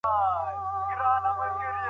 اګوستین د بشر پر فطرتي ازادۍ باور درلود.